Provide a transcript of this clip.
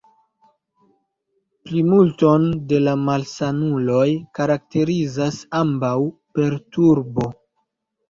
Plimulton de la malsanuloj karakterizas ambaŭ perturbo.